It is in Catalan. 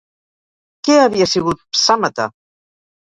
Què havia sigut Psàmate?